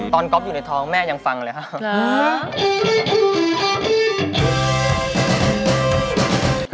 ตอนก็อยู่ในท้องแม่ยังฟังเลยคะ